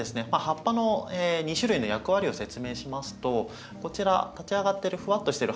葉っぱの２種類の役割を説明しますとこちら立ち上がってるふわっとしてる葉っぱはですね